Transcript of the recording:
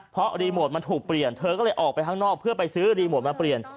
เพราะรีโมทมันถูกเปลี่ยนเธอก็เลยออกไปข้างนอกเพื่อไปซื้อรีโมทมาเปลี่ยน